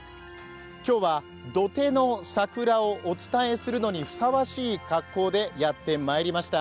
今日は土手の桜をお伝えするのにふさわしい格好でやってまいりました。